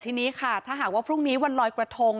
ทีนี้ค่ะถ้าหากว่าพรุ่งนี้วันลอยกระทง